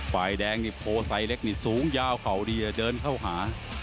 ฝ่ายแดงนี่โพไซเล็กนี่สูงยาวเข่าดีเดินเข้าหา